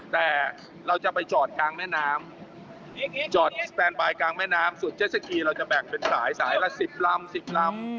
แต่เราจะไปจอดกลางแม่น้ำจอดกลางแม่น้ำส่วนเจสสิกีเราจะแบ่งเป็นสายสายละสิบลำสิบลำ